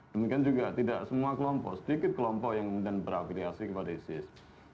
demikian juga tidak semua kelompok sedikit kelompok yang kemudian berafiliasi kepada isis